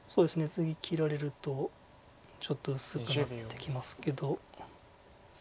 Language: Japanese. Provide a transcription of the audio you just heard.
次切られるとちょっと薄くなってきますけど。